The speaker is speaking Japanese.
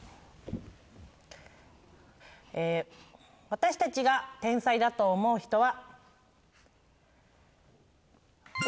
私たちが天才だと思う人は。